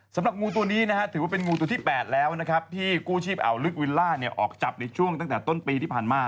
สำหรับงูตัวนี้นะฮะถือว่าเป็นงูตัวที่๘แล้วนะครับที่กู้ชีพอ่าวลึกวิลล่าออกจับในช่วงตั้งแต่ต้นปีที่ผ่านมา